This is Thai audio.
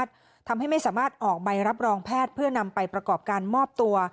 ทำให้ไม่สามารถออกใบรับรองแพทย์เพื่อนำไปประกอบการมอบตัว